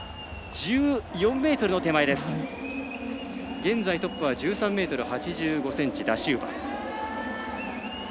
現在トップは１３ｍ８５ｃｍダシウバ。